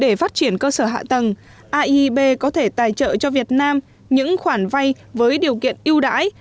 trong phát triển cơ sở hạ tầng ieb có thể tài trợ cho việt nam những khoản vay với điều kiện ưu đãi